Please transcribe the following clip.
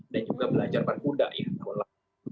dan juga belajar berbuddha ya tahun lalu